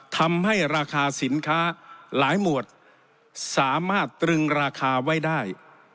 ทำให้ราคาสินค้าหลายหมวดสามารถตรึงราคาไว้ได้